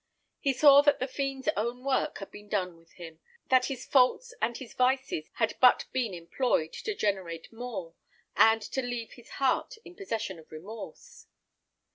He saw that the fiend's own work had been done with him; that his faults and his vices had but been employed to generate more, and to leave his heart in possession of remorse.